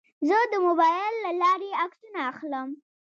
زه د موبایل له لارې عکسونه اخلم.